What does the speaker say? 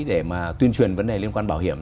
để mà tuyên truyền vấn đề liên quan bảo hiểm